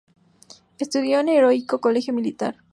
Estudió en el Heroico Colegio Militar.